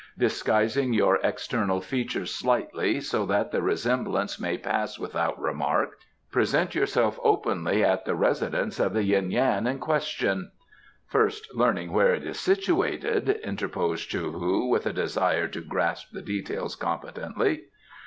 Disguising your external features slightly so that the resemblance may pass without remark, present yourself openly at the residence of the Yuen Yan in question " "First learning where it is situated?" interposed Chou hu, with a desire to grasp the details competently.